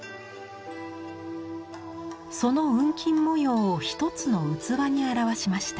その雲錦模様を一つの器に表しました。